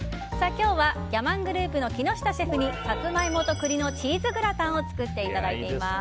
今日はギャマングループの木下シェフにサツマイモと栗のチーズグラタンを作っていただいています。